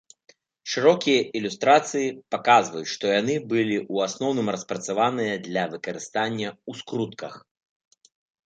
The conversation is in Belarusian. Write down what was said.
Шырокія ілюстрацыі паказваюць, што яны былі ў асноўным распрацаваныя для выкарыстання ў скрутках.